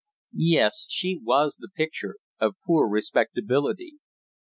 Yes, she was the picture of poor respectability.